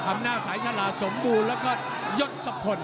อำนาจสายชะหราสมบูรณ์และก็ยศสะพน